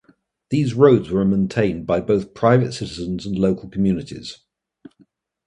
These roads were maintained by both private citizens and local communities.